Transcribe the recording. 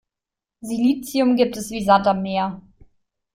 Silizium gibt es wie Sand am Meer.